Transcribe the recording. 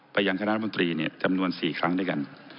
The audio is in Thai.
ไปยังคณะบุญตรีจำนวน๔ครั้งด้วยกัน